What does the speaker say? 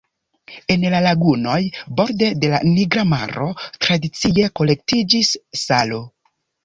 En lagunoj borde de la Nigra Maro tradicie kolektiĝis salo.